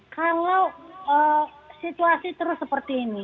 kalau situasi terus seperti ini